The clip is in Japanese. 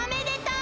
う